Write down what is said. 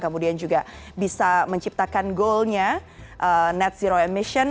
kemudian juga bisa menciptakan goalnya net zero emission